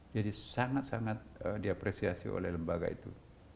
jadi sangat sangat diapresiasi oleh lembaga itu